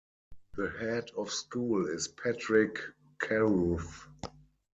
The head of school is Patrick Carruth.